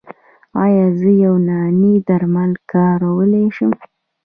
ایا زه یوناني درمل کارولی شم؟